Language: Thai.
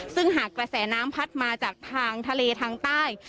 ซึ่งหากกระแสน้ำพัดมาจากทางทะเลทางใต้